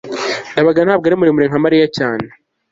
ndabaga ntabwo ari muremure nka mariya cyane